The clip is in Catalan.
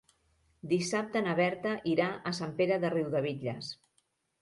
Dissabte na Berta irà a Sant Pere de Riudebitlles.